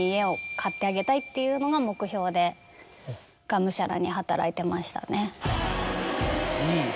っていうのが目標でがむしゃらに働いてましたね。